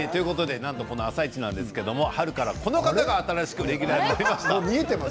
「あさイチ」なんですが春からこの方が新しくレギュラーになりました。